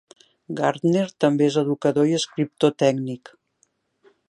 Gardner també és educador i escriptor tècnic.